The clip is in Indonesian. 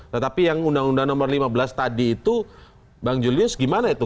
tetapi yang undang undang nomor lima belas tadi itu bang julius gimana itu